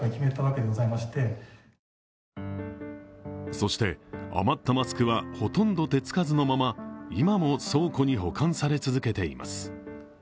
そして、余ったマスクはほとんど手つかずのまま、今も倉庫に保管され続けています。